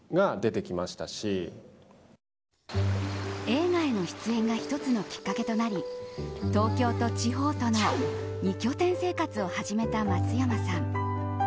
映画への出演が１つのきっかけとなり東京と地方との２拠点生活を始めた松山さん。